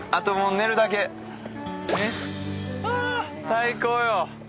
最高よ。